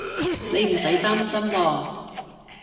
你唔使擔心喎